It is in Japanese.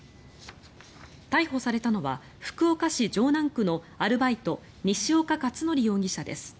逮捕されたのは福岡市城南区のアルバイト西岡且准容疑者です。